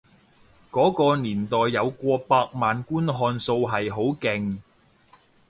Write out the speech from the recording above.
嗰個年代有過百萬觀看數係好勁